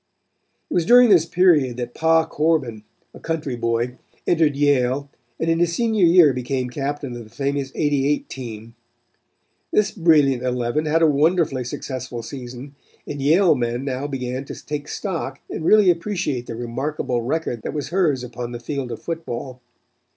It was during this period that Pa Corbin, a country boy, entered Yale and in his senior year became captain of the famous '88 team. This brilliant eleven had a wonderfully successful season and Yale men now began to take stock and really appreciate the remarkable record that was hers upon the field of football.